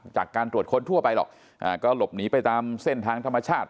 จากการตรวจค้นทั่วไปหรอกก็หลบหนีไปตามเส้นทางธรรมชาติ